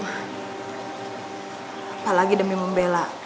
apalagi demi membela